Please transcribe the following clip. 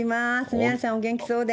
皆さんお元気そうで。